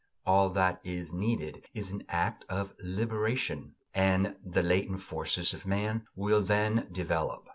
All that is needed is an act of liberation; and the latent forces of man will then develop.